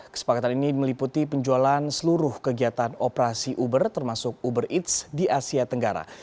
kesepakatan ini meliputi penjualan seluruh kegiatan operasi uber termasuk uber eats di asia tenggara